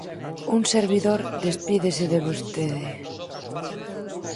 Un servidor despídese de vostede…